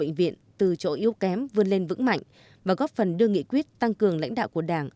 bệnh viện từ chỗ yếu kém vươn lên vững mạnh và góp phần đưa nghị quyết tăng cường lãnh đạo của đảng